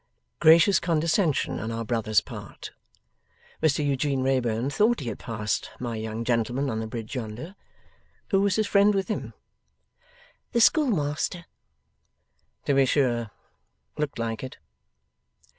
Gracious condescension on our brother's part! Mr Eugene Wrayburn thought he had passed my young gentleman on the bridge yonder. Who was his friend with him? 'The schoolmaster.' 'To be sure. Looked like it.